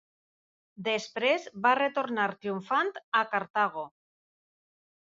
Després va retornar triomfant a Cartago.